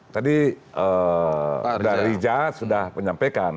tadi pak riza sudah menyampaikan